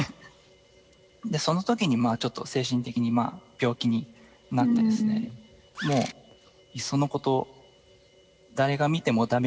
そのときにちょっと精神的に病気になってですねもういっそのこと誰が見ても駄目